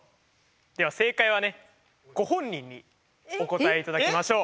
では正解はねご本人にお答えいただきましょう。